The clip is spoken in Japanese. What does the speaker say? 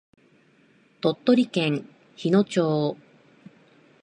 鳥取県日野町